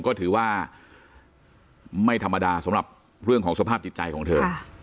ก็ถือว่าไม่ธรรมดาสำหรับเรื่องของสภาพจิตใจของเธอ